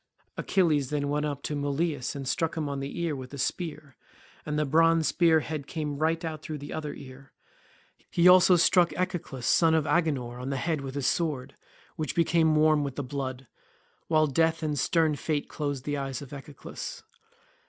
Achilles then went up to Mulius and struck him on the ear with a spear, and the bronze spear head came right out at the other ear. He also struck Echeclus son of Agenor on the head with his sword, which became warm with the blood, while death and stern fate closed the eyes of Echeclus.